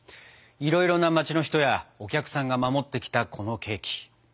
いろいろな街の人やお客さんが守ってきたこのケーキ。